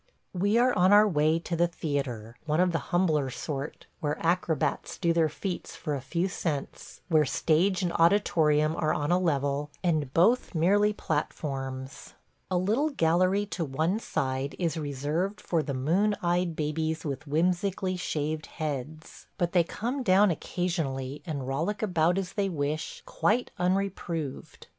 ... We are on our way to the theatre – one of the humbler sort, where acrobats do their feats for a few cents, where stage and auditorium are on a level, and both merely platforms. A little gallery to one side is reserved for the moon eyed babies with whimsically shaved heads; but they come down occasionally and rollic about as they wish, quite unreproved.